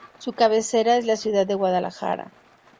Su cabecera es la ciudad de Guadalajara.